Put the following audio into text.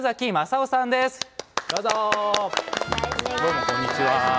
どうもこんにちは。